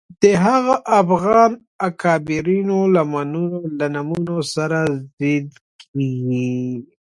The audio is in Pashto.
د هغو افغان اکابرینو له نومونو سره ضد کېږي